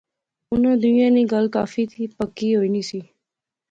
انیں دوئیں نی گل کافی تھی پکی ہوئی نی سی